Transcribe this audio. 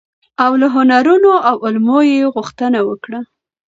او له هنرونو او علومو يې غوښتنه وکړه،